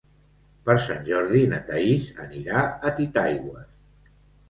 Per Sant Jordi na Thaís anirà a Titaigües.